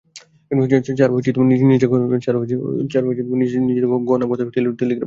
চারু নিজের গহনা বন্ধক রাখিয়া টাকা ধার করিয়া টেলিগ্রাফ পাঠাইয়াছিল।